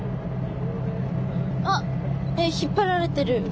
あっ引っ張られてる。